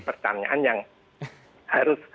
pertanyaan yang harus